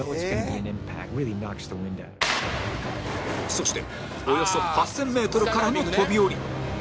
そしておよそ８０００メートルからの飛び降り